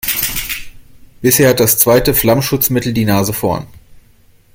Bisher hat das zweite Flammschutzmittel die Nase vorn.